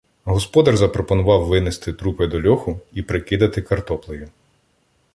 Господар запропонував винести трупи до льоху і прикидати картоплею.